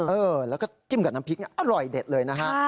เออแล้วก็จิ้มกับน้ำพริกอร่อยเด็ดเลยนะฮะ